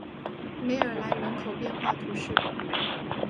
梅尔莱人口变化图示